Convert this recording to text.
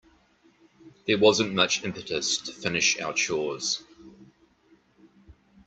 There wasn't much impetus to finish our chores.